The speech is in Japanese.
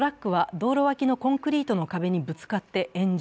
道路脇のコンクリートの壁にぶつかって炎上、